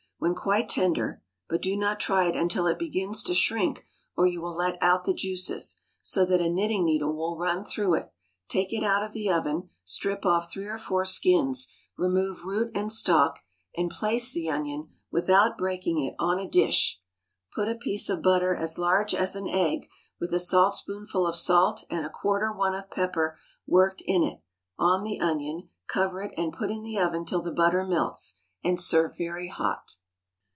When quite tender (but do not try it until it begins to shrink, or you will let out the juices), so that a knitting needle will run through it, take it out of the oven, strip off three or four skins, remove root and stalk, and place the onion, without breaking it, on a dish; put a piece of butter as large as an egg, with a saltspoonful of salt and a quarter one of pepper worked in it, on the onion; cover it, and put in the oven till the butter melts, and serve very hot.